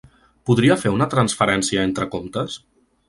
Podria fer una transferencia entre comptes?